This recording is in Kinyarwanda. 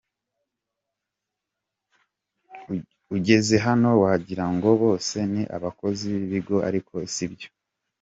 Ati “Ugeze hano wagira ngo bose ni abakozi b’ikigo ariko si byo.